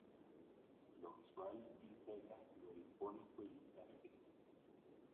Lo visual integra: lo icónico y lo plástico.